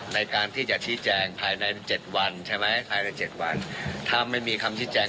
ในการที่จะชี้แจงภายใน๗วันถ้าไม่มีความชี้แจง